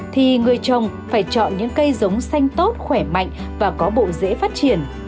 thì người trồng phải chọn những cây giống xanh tốt khỏe mạnh và có bộ dễ phát triển